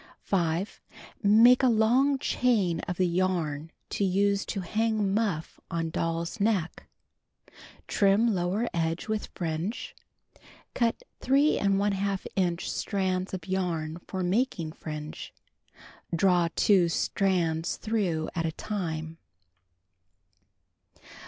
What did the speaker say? Make a long chain of the yarn to use to hang muff on doll's neck, Trim lower edge with fringe. Cut 3| inch strands of yarn for making fringe. Draw 2 strands through at a time.